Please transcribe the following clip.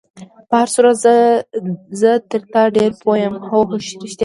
په هر صورت زه تر تا ډېر پوه یم، هو، رښتیا هم.